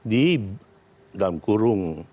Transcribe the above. di dalam kurung